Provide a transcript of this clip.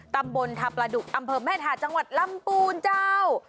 ตำบลทาประดุกอำเภอแม่ทาจังหวัดลำปูนเจ้า